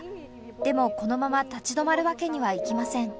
でも、このまま立ち止まるわけにはいきません。